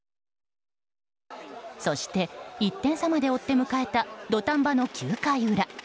そして、１点差まで追って迎えた土壇場の９回裏。